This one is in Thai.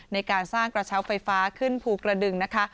ในการสร้างกระเช้าไฟฟ้าขึ้นภูกระดึงนะคะ